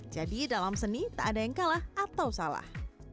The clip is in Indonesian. jadi dalam seni tak ada yang kalah atau salah